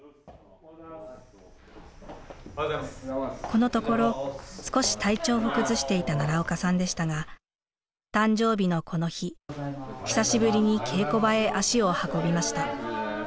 このところ少し体調を崩していた奈良岡さんでしたが誕生日のこの日久しぶりに稽古場へ足を運びました。